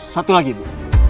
satu lagi bu